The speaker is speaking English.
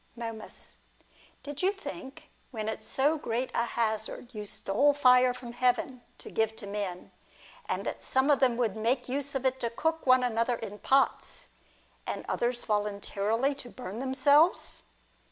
Momus. Did you think, when at so great a hazard you stole fire from heaven to give to men, that some of them would make use of it to cook one another in pots, and others voluntarily to burn themselves